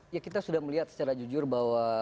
ya kita sudah melihat secara jujur bahwa